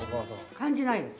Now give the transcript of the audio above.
感じないです。